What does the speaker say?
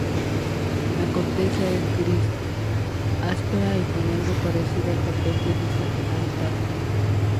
La corteza es gris, áspera y algo parecida al papel de lija al tacto.